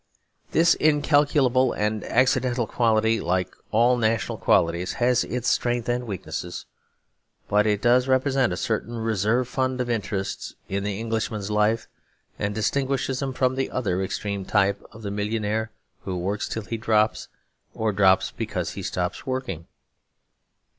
This incalculable and accidental quality, like all national qualities, has its strength and weakness; but it does represent a certain reserve fund of interests in the Englishman's life; and distinguishes him from the other extreme type, of the millionaire who works till he drops, or who drops because he stops working.